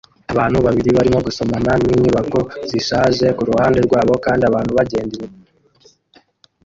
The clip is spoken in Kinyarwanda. Abantu babiri barimo gusomana ninyubako zishaje kuruhande rwabo kandi abantu bagenda inyuma